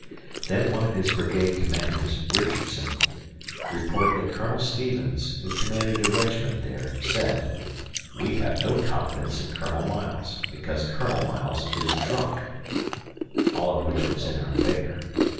Then one of his brigade commanders, Richardson, reported that Colonel Stevens, who commanded a regiment there, said, "We have no confidence in Colonel Miles, because Colonel Miles is drunk;" all of which was in our favor.